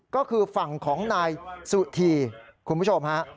ก็คือฝั่งของนายสุธีคุณผู้ชมฮะ